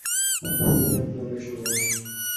পূর্ণর প্রবেশ উভয়ে।